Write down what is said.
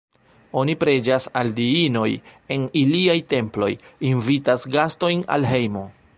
Oni preĝas al diinoj en iliaj temploj, invitas gastojn al hejmo.